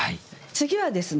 次はですね